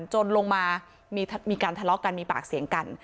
จนลงมามีการทะเลาะกันมีปากเสียงกัน